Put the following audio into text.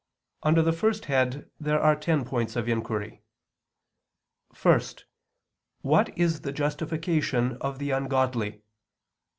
Under the first head there are ten points of inquiry: (1) What is the justification of the ungodly?